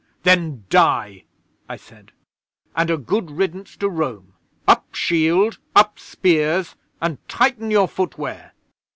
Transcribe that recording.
'"Then die," I said, "and a good riddance to Rome! Up shield up spears, and tighten your foot wear!"